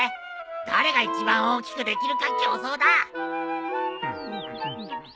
誰が一番大きくできるか競争だ！